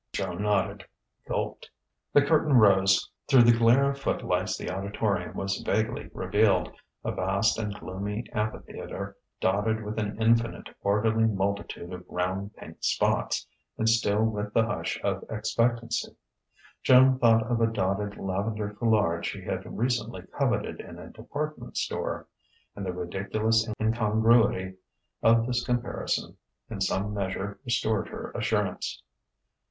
Joan nodded gulped. The curtain rose. Through the glare of footlights the auditorium was vaguely revealed, a vast and gloomy amphitheatre dotted with an infinite, orderly multitude of round pink spots, and still with the hush of expectancy. Joan thought of a dotted lavender foulard she had recently coveted in a department store; and the ridiculous incongruity of this comparison in some measure restored her assurance.